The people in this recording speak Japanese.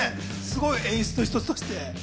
すごい演出の一つとして。